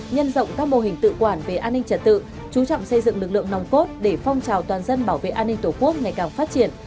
nhân rộng các mô hình tự quản về an ninh trật tự chú trọng xây dựng lực lượng nòng cốt để phong trào toàn dân bảo vệ an ninh tổ quốc ngày càng phát triển